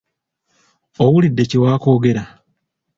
Owulidde kye waakoogera?